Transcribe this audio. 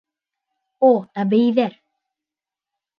О, әбейҙәр!